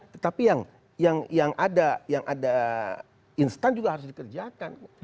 tetapi yang ada instan juga harus dikerjakan